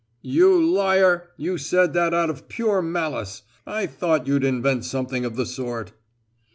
"You liar! You said that out of pure malice. I thought you'd invent something of the sort!"